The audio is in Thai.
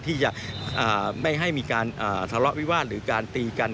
ที่จะไม่ให้มีการทะเลาะวิวาสหรือการตีกัน